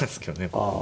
ここ。